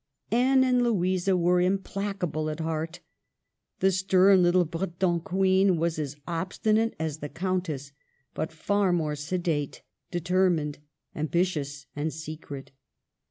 Anne and Louisa were implacable at heart. The stern little Breton Queen was as obstinate as the Countess, but far more sedate: deter mined, ambitious, and secret.